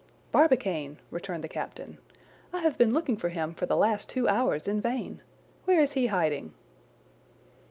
"Barbicane!" returned the captain. "I have been looking for him for the last two hours in vain. Where is he hiding?"